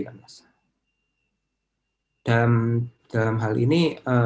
dan dalam hal ini